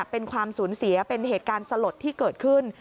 เป็นความสูญเสียเป็นเหตุการณ์สลดที่เกิดขึ้น